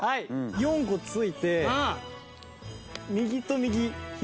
４個ついて右と右左と左。